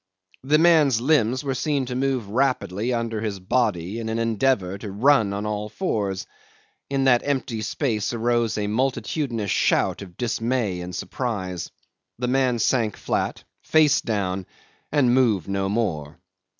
The man's limbs were seen to move rapidly under his body in an endeavour to run on all fours. In that empty space arose a multitudinous shout of dismay and surprise. The man sank flat, face down, and moved no more.